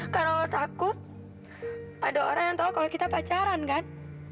karena lo takut ada orang yang tau kalau kita pacaran kan